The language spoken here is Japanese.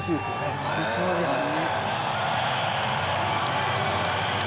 「ありそうですね」